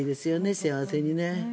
幸せにね。